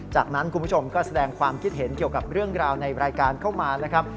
จากนั้นคุณผู้ชมก็แสดงความคิดเห็นเกี่ยวกับเรื่องราวในรายการเข้ามานะครับ